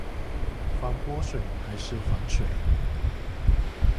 防潑水還是防水